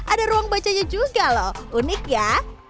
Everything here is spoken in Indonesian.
ada ruang bacanya juga loh unik ya